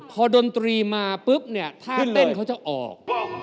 พอดนตรีมาปุ๊บเนี่ยท่าเต้นเขาจะออก